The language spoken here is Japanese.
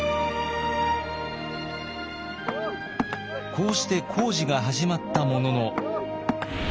こうして工事が始まったものの。